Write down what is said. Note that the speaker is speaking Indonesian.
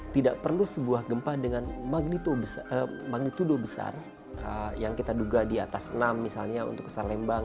tidak perlu sebuah gempa dengan magnitude besar yang kita duga di atas enam misalnya untuk kesar lembang